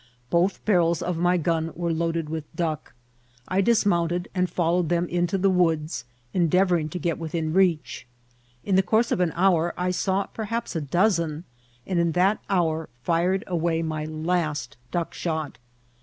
Both barrels of my gun were loaded with duck. I dismount ed and followed them into the woodS| endeavouring to get within reach. In the course of an hour I saw per haps a dozen, and in that hour fired away my last duck shot.